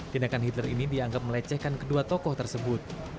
tindakan hitler ini dianggap melecehkan kedua tokoh tersebut